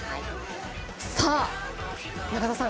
さあ、中澤さん